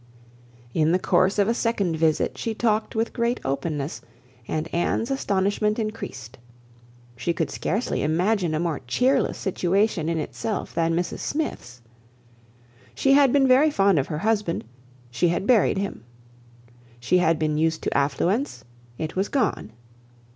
In the course of a second visit she talked with great openness, and Anne's astonishment increased. She could scarcely imagine a more cheerless situation in itself than Mrs Smith's. She had been very fond of her husband: she had buried him. She had been used to affluence: it was gone.